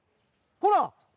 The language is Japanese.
ほら！